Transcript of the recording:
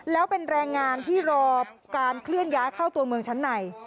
แล้วเป็นแรงงานที่รอการเคลื่อนย้ายเข้าตัวเมืองชั้นใน